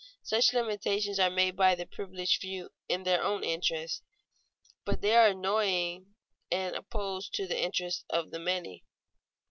Such limitations are made by the privileged few in their own interest, but they are annoying and opposed to the interests of the many.